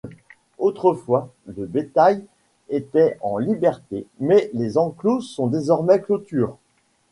Autrefois, le bétail était en liberté mais les enclos sont désormais clôtures.